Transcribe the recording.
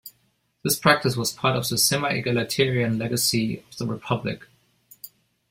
This practice was part of the semi-egalitarian legacy of the Republic.